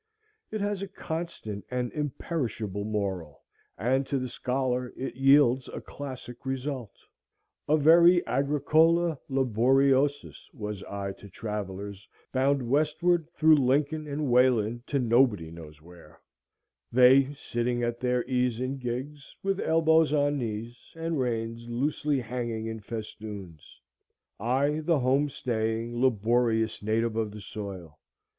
It has a constant and imperishable moral, and to the scholar it yields a classic result. A very agricola laboriosus was I to travellers bound westward through Lincoln and Wayland to nobody knows where; they sitting at their ease in gigs, with elbows on knees, and reins loosely hanging in festoons; I the home staying, laborious native of the soil.